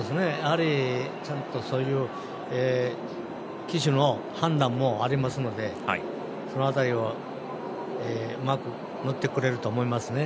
ちゃんと、そういう騎手の判断もありますのでその辺りを、うまくいってくれると思いますね。